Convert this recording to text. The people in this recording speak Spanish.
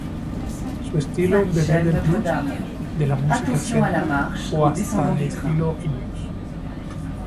Su estilo bebe del Blues, de la música celta o hasta de estilo indios.